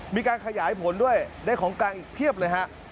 มีการขยายผลด้วยได้ของกลางอีกเพียบเลยฮะ